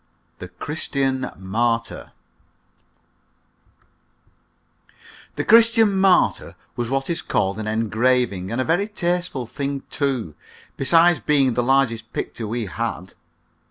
THE "CHRISTIAN MARTYR" The "Christian Martyr" was what is called an engraving, and a very tasteful thing, too, besides being the largest picture we had.